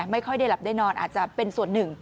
ไม่ค่อยได้หลับได้นอนอาจจะเป็นส่วนหนึ่ง